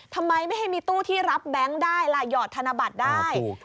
ทำไมไม่ให้มีตู้ที่รับแบงค์ได้ล่ะหยอดธนบัตรได้